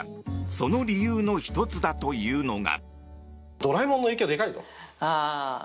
その理由の１つだというのが。